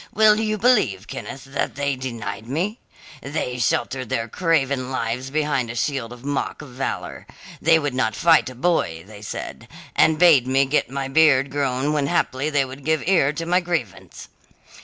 Will you believe, Kenneth, that they denied me? They sheltered their craven lives behind a shield of mock valour. They would not fight a boy, they said, and bade me get my beard grown when haply they would give ear to my grievance.